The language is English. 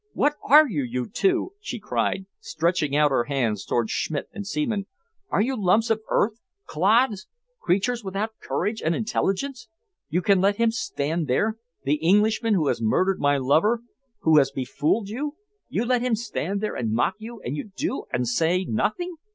"What are you, you two?" she cried, stretching out her hands towards Schmidt and Seaman. "Are you lumps of earth clods creatures without courage and intelligence? You can let him stand there the Englishman who has murdered my lover, who has befooled you? You let him stand there and mock you, and you do and say nothing!